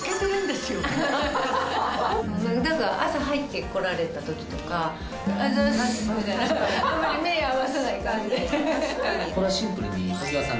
朝入ってこられた時とか「おはようございます」みたいなあんまり目合わさない感じ。